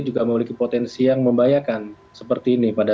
juga memiliki potensi yang memungkinkan untuk menjual bahan bahan tersebut